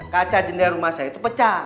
kaca jendela rumah saya itu pecah